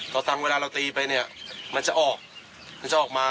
พอทางเวลาเราตีไปเนี่ยมันจะออกมันจะออกมา